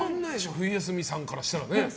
冬休みさんからしたら。